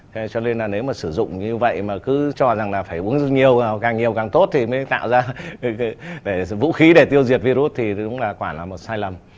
thế cho nên là nếu mà sử dụng như vậy mà cứ cho rằng là phải uống nhiều càng nhiều càng tốt thì mới tạo ra vũ khí để tiêu diệt virus thì cũng là quả là một sai lầm